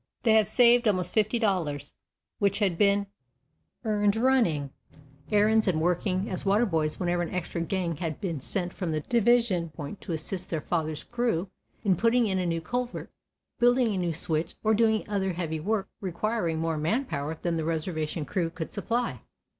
They had saved almost fifty dollars, which had been earned running errands and working as water boys whenever an "extra" gang had been sent from the division point to assist their father's crew in putting in a new culvert, building a new switch or doing other heavy work requiring more man power then the reservation crew could supply.